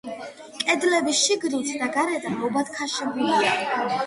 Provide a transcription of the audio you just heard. კედლები შიგნით და გარედან მობათქაშებულია.